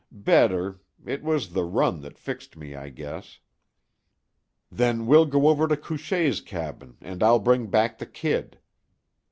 "Better. It was the run that fixed me, I guess." "Then we'll go over to Couchée's cabin and I'll bring back the kid."